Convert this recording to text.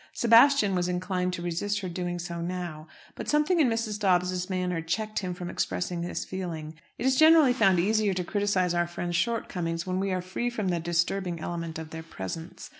Sebastian was inclined to resist her doing so now. But something in Mrs. Dobbs's manner checked him from expressing this feeling. It is generally found easier to criticize our friends' shortcomings when we are free from the disturbing element of their presence.